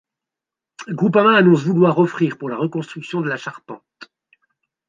Groupama annonce vouloir offrir pour la reconstruction de la charpente.